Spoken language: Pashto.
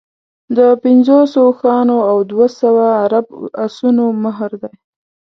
د پنځوسو اوښانو او دوه سوه عرب اسونو مهر دی.